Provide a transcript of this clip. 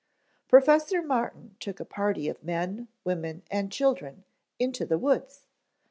"Professor Martin took a party of men, women and children into the woods.